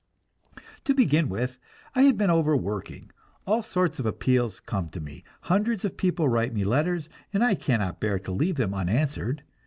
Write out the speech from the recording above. To begin with, I had been overworking. All sorts of appeals come to me; hundreds of people write me letters, and I cannot bear to leave them unanswered.